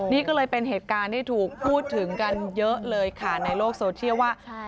นี่ก็เลยเป็นเหตุการณ์ที่ถูกพูดถึงกันเยอะเลยค่ะในโลกโซเชียลว่า